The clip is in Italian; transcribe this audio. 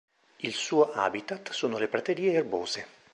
Il suo habitat sono le praterie erbose.